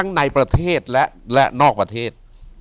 อยู่ที่แม่ศรีวิรัยิลครับ